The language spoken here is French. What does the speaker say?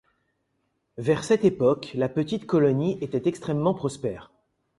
Vers cette époque, la petite colonie était extrêmement prospère.